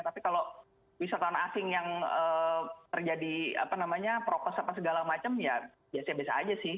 tapi kalau wisatawan asing yang terjadi apa namanya prokes apa segala macam ya biasa biasa aja sih